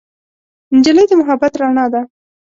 نجلۍ د محبت رڼا ده.